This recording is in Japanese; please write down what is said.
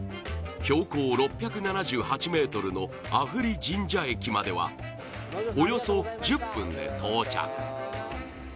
標高６７８ｍの阿夫利神社駅まではおよそ１０分で到着